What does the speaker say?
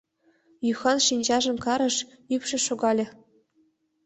Юхан шинчажым карыш, ӱпшӧ шогале.